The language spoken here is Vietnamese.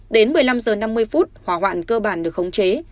đến một mươi năm giờ năm mươi phút hỏa hoạn cơ bản được khống chế